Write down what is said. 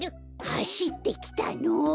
はしってきたの！